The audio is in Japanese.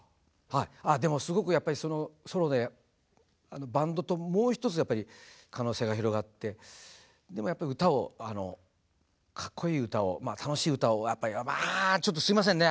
でもすごくやっぱりソロでバンドともう一つやっぱり可能性が広がってでもやっぱり歌をかっこいい歌を楽しい歌をやっぱりあちょっとすいませんね